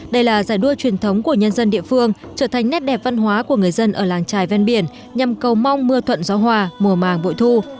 đây là giải đua truyền thống của nhân dân địa phương trở thành nét đẹp văn hóa của người dân ở làng trài ven biển nhằm cầu mong mưa thuận gió hòa mùa màng bội thu